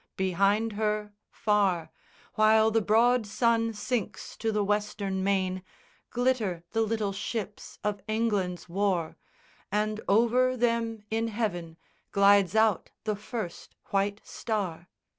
Behind her, far, While the broad sun sinks to the Western main, Glitter the little ships of England's war, And over them in heaven glides out the first white star.